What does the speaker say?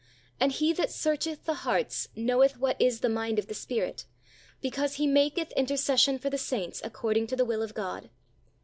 And He that searcheth the hearts knoweth what is the mind of the Spirit, because he maketh intercession for the saints according to the will of God.